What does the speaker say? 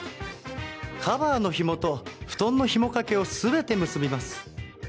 カバーのひもと布団のひもかけを全て結びます。